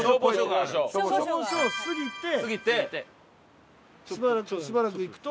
消防署を過ぎてしばらく行くと。